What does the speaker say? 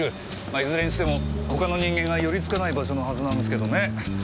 いずれにしても他の人間が寄り付かない場所のはずなんですけどね。